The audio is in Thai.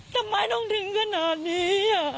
ทำไมต้องถึงขนาดนี้